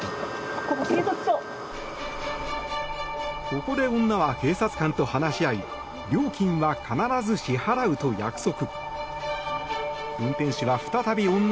ここで女は警察官と話し合い料金は必ず支払うと約束。